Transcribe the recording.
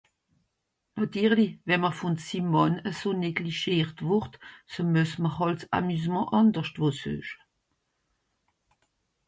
Nàtirlich, wenn m’r vùn sim Mànn eso neglischiert wùrd, ze muess m’r hàlt ’s Amusement àndersch wo sueche.